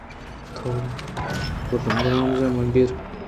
تو برانز مہ گِر